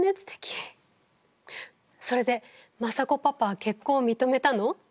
それで政子パパは結婚を認めたの？